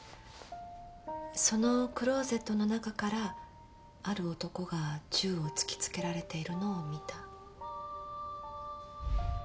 そのクロゼットの中からある男が銃を突き付けられているのを見た。